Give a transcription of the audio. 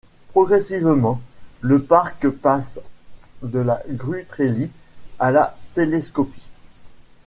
Progressivement, le parc passe de la Grue Trellis à la télescopie.